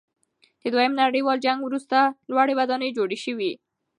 د دویم نړیوال جنګ وروسته لوړې ودانۍ جوړې سوې.